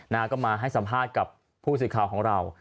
ก็มาให้สัมภาษณ์กับผู้สื่อข่าวของเรา